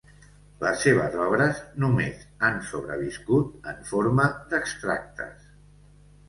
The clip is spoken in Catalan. Les seves obres només han sobreviscut en forma d'extractes.